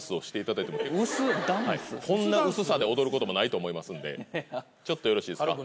こんなうすさで踊ることもないと思いますんでちょっとよろしいですか？